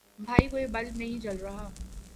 بھائی کوئی بلب نہیں جل رہا